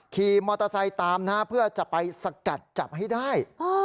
ขี่มอเตอร์ไซค์ตามนะฮะเพื่อจะไปสกัดจับให้ได้